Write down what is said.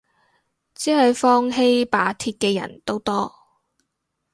只係放棄罷鐵嘅人都多